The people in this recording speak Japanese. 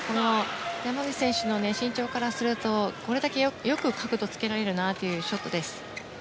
山口選手の身長からするとこれだけよく角度をつけられるなというショットです。